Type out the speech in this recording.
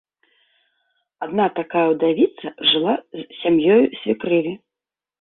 Адна такая ўдавіца жыла з сям'ёю свекрыві.